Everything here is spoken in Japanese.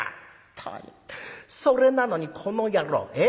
それなのにこの野郎ええ？